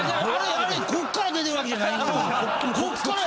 あれこっから出てるわけじゃないんよ